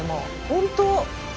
本当。